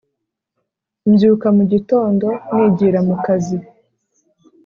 Mbyuka mu gitondo nigira mu kazi